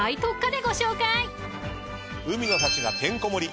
海の幸がてんこ盛り。